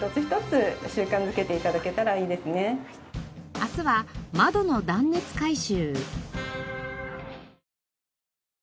明日は窓の断熱改修。